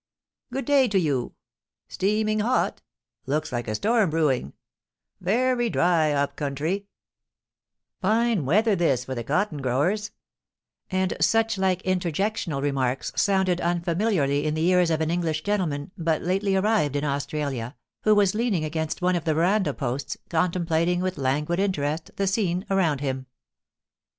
* Good day to you ;'* Steaming hot ;'* Looks like a storm brewing ;Very dry up country ;'* Fine weather this for the cotton growers;* and such like interjectional remarks sounded unfamiliarly in the ears of an English gentleman but lately arrived in Australia, who was leaning against one of the verandah posts, contemplating with languid interest the scene around him.